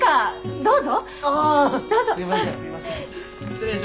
どうぞ。